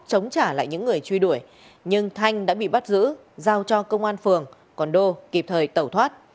chống trả lại những người truy đuổi nhưng thanh đã bị bắt giữ giao cho công an phường còn đô kịp thời tẩu thoát